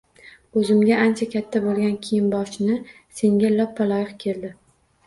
O‘zimga ancha katta bo‘lgan kiyim-boshni «senga loppa-loyiq keldi»